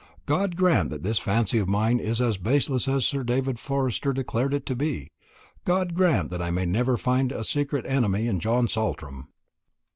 God grant that this fancy of mine is as baseless as Sir David Forster declared it to be! God grant that I may never find a secret enemy in John Saltram!"